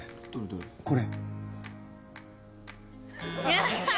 これ。